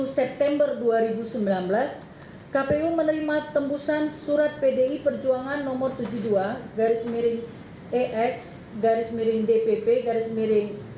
dua puluh tujuh september dua ribu sembilan belas kpu menerima tembusan surat pdi perjuangan nomor tujuh puluh dua ex dpp sembilan r dua ribu sembilan belas